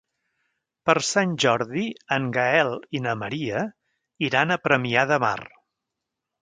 Per Sant Jordi en Gaël i na Maria iran a Premià de Mar.